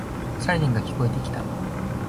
サイレンが聞こえてきた。